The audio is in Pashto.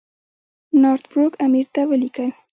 نارت بروک امیر ته ولیکل.